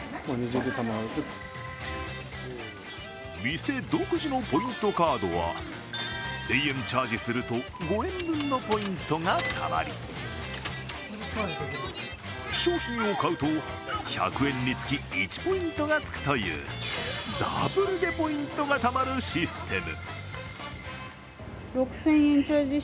店独自のポイントカードは１０００円チャージすると５円分のポイントがたまり商品を買うと、１００円につき１ポイントがつくというダブルでポイントがたまるシステム。